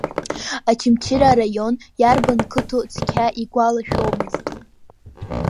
Очамчыра араион иарбан қыҭоу цқьа игәалашәомызт.